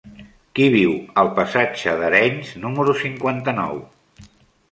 Qui viu al passatge d'Arenys número cinquanta-nou?